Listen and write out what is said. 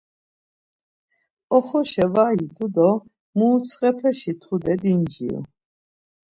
Oxoşa var idu do murutsxepeşi tude dinciru.